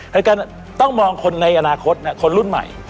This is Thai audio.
แต่การต้องมองคนในอนาคตคนรุ่นใหม่